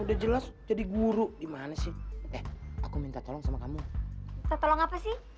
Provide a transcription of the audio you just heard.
udah jelas jadi guru dimana sih aku minta tolong sama kamu tolong apa sih